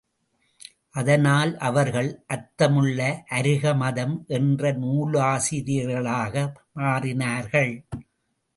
அதனால் அவர்கள் அர்த்தமுள்ள அருக மதம் என்ற நூலாசிரியர்களாக மாறினார்கள்.